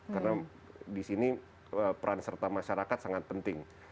karena di sini peran serta masyarakat sangat penting